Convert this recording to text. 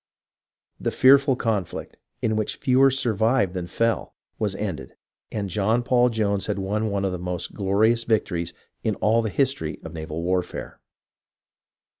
The fearful conflict, in which fewer survived than fell, was ended, and John Paul Jones had won one of the most glorious vic tories in all the history of naval warfare.